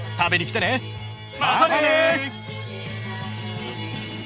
またね！